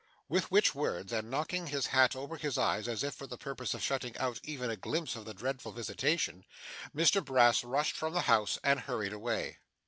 With which words, and knocking his hat over his eyes as if for the purpose of shutting out even a glimpse of the dreadful visitation, Mr Brass rushed from the house and hurried away.